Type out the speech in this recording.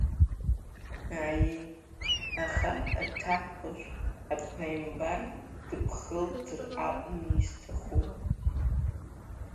Аиеи, аха, Аҭакәажә, аԥааимбар дыбхылҵыр ауми исҭаху!